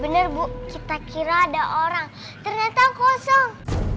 benar bu kita kira ada orang ternyata kosong